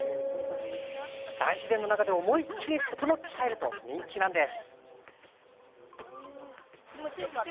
大自然の中で、思いっきりととのっちゃえると人気なんです。